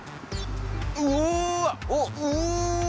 うわ！